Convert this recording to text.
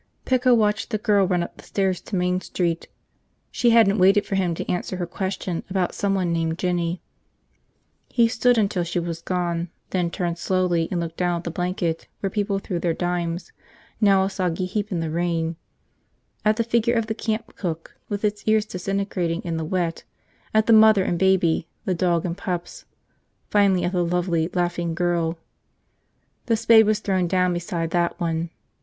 Pico watched the girl run up the stairs to Main Street. She hadn't waited for him to answer her question about someone named Jinny. He stood until she was gone, then turned slowly and looked down at the blanket where people threw their dimes, now a soggy heap in the rain; at the figure of the camp cook with its ears disintegrating in the wet, at the mother and baby, the dog and pups, finally at the lovely, laughing girl. The spade was thrown down beside that one.